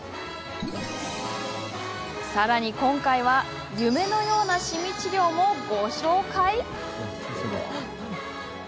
さらに今回は夢のようなシミ治療もご紹介！